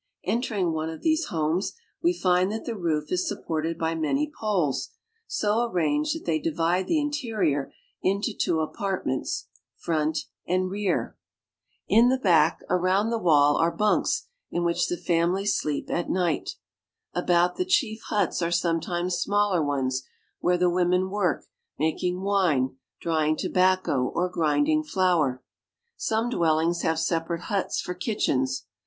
Entering one of these homes, we find that the roof is nipported by many poles, so arranged that they divide the aiterior into two apartments, — front and rear. In the back, 3 Uganda .^:' 146 AFRICA roof is supported by many around the wall, are bunks in which the family sleep at night. About the chief huts are sometimes smaller ones, where the women work, makingwine, drying tobacco, or grinding flour. Some dwellings have separate huts for kitchens.